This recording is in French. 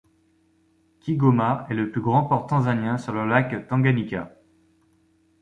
Kigoma est le plus grand port tanzanien sur le lac Tanganyika.